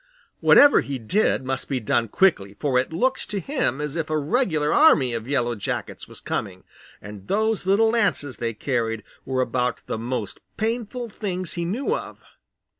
Whatever he did must be done quickly, for it looked to him as if a regular army of Yellow Jackets was coming, and those little lances they carried were about the most painful things he knew of.